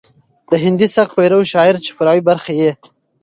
د هندي سبک پيرو شاعر چې فرعي برخې يې